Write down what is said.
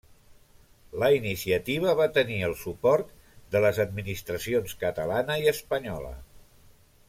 La iniciativa va tenir el suport de les administracions catalana i espanyola.